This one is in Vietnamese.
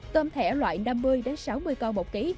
tôm thẻ loại năm mươi sáu mươi con một ký